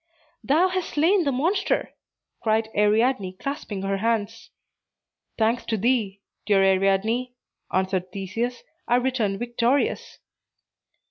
"Thou hast slain the monster," cried Ariadne, clasping her hands. "Thanks to thee, dear Ariadne," answered Theseus, "I return victorious."